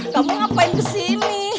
kamu ngapain kesini